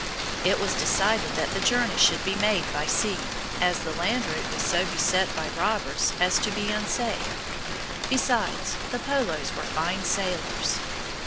It was decided that the journey should be made by sea, as the land route was so beset by robbers as to be unsafe. Besides, the Polos were fine sailors.